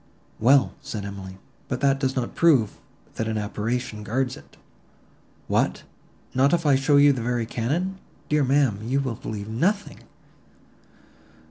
"Well," said Emily, "but that does not prove, that an apparition guards it." "What! not if I show you the very cannon! Dear ma'am, you will believe nothing."